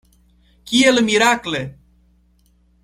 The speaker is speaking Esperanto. Kiel mirakle!